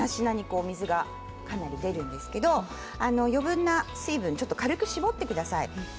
お水が出るんですけれど余分な水分を軽く絞ってください。